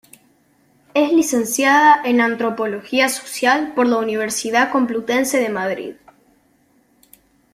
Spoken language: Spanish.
Es licenciada en Antropología Social por la Universidad Complutense de Madrid.